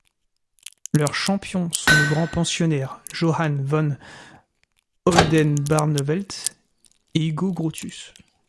Leurs champions sont le grand-pensionnaire Johan van Oldenbarnevelt et Hugo Grotius.